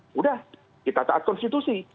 sudah kita tak konstitusi